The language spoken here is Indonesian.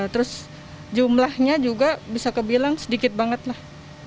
terus jumlahnya juga bisa kebilang sedikit banget lah